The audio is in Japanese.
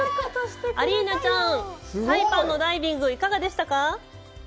アリーナちゃん、サイパンのダイビング、いかがでしたか。